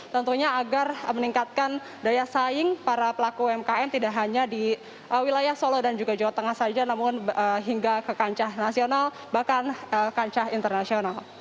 tentunya agar meningkatkan daya saing para pelaku umkm tidak hanya di wilayah solo dan juga jawa tengah saja namun hingga ke kancah nasional bahkan kancah internasional